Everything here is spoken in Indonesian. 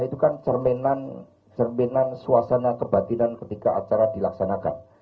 itu kan cerminan suasana kebatinan ketika acara dilaksanakan